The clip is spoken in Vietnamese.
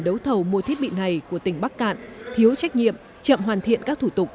những thiết bị này của tỉnh bắc cạn thiếu trách nhiệm chậm hoàn thiện các thủ tục